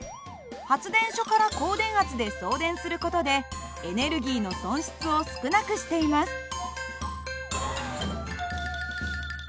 発電所から高電圧で送電する事でエネルギーの損失を少なくしています。